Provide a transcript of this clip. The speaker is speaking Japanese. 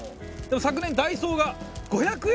昨年、ダイソーが５００円